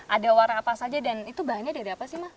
ada warna apa saja dan itu bahannya dari apa sih mas